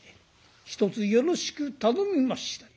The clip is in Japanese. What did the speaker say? ひとつよろしく頼みましたよ」。